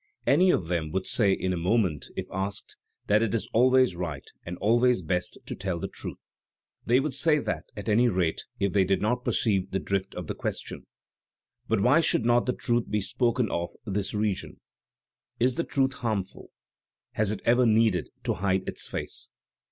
Any of them would say in a moment, if asked, that it is always right and always bed to tell the truth. They would say that, at any rate, if they did not perceive the drift of the question. But why should not the truth be spoken of this region? Is the truth harm ful? Has it ever needed to hide its face?